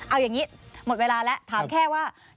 เอาอย่างนี้หมดเวลาแล้วถามแค่ว่า